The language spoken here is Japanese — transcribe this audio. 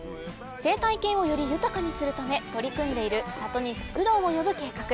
生態系をより豊かにするため取り組んでいる里にフクロウを呼ぶ計画。